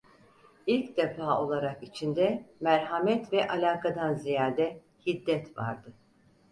İlk defa olarak içinde merhamet ve alakadan ziyade, hiddet vardı.